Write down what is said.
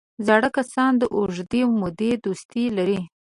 زاړه کسان د اوږدې مودې دوستي لري